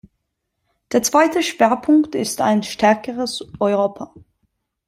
Der zweite Schwerpunkt ist ein stärkeres Europa.